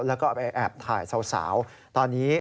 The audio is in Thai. แล้วก็ไปแอบถ่ายสาวตอนนี้